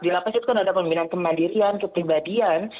di lapas itu kan ada pembinaan kemandirian kepribadian